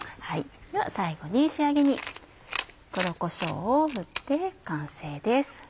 では最後に仕上げに黒こしょうを振って完成です。